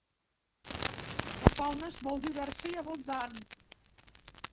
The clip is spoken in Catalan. La fauna és molt diversa i abundant.